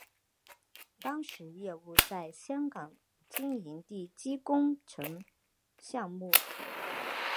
当时业务在香港经营地基工程项目。